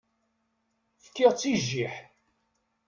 Fkiɣ-tt i jjiḥ.